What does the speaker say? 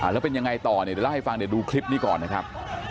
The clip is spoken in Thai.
แล้วเป็นยังไงต่อเนี่ยเดี๋ยวเล่าให้ฟังเดี๋ยวดูคลิปนี้ก่อนนะครับ